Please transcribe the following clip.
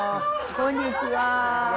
こんにちは。